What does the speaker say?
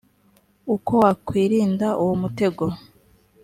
uko wakwirinda uwo mutego